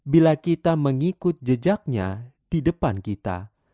bila kita mengikut jejaknya di depan kita